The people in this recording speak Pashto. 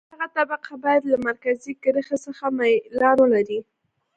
دغه طبقه باید له مرکزي کرښې څخه میلان ولري